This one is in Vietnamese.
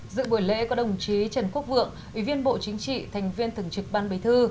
dự buổi lễ có đồng chí trần quốc vượng ủy viên bộ chính trị thành viên thường trực ban bế thư